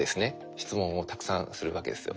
質問をたくさんするわけですよ。